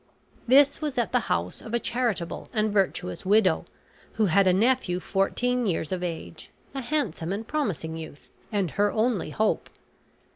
This was at the house of a charitable and virtuous widow, who had a nephew fourteen years of age, a handsome and promising youth, and her only hope.